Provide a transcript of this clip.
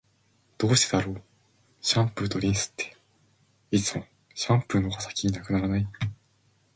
どうしてだろう、シャンプーとリンスって、いつもシャンプーの方が先に無くならない？